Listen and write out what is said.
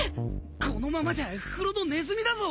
このままじゃ袋のネズミだぞ！